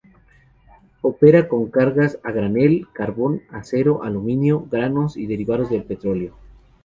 Opera con cargas a granel: carbón, acero, aluminio, granos y derivados del petróleo.